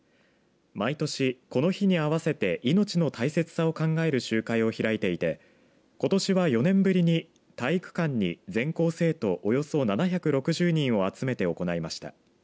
毎年この日に合わせて命の大切さを考える集会を開いていてことしは４年ぶりに体育館に全校生徒およそ７６０人を集めて行いました。